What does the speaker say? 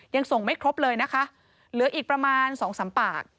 ยังส่งไม่ครบเลยนะคะเหลืออีกประมาณสองสามปาก